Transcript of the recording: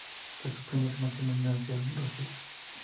De su primer matrimonio nacieron dos hijas.